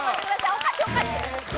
おかしいおかしい！